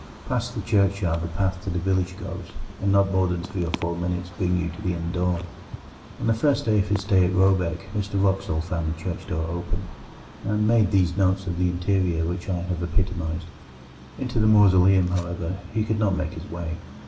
Past the churchyard the path to the village goes, and not more than three or four minutes bring you to the inn door. On the first day of his stay at Råbäck Mr Wraxall found the church door open, and made those notes of the interior which I have epitomized. Into the mausoleum, however, he could not make his way.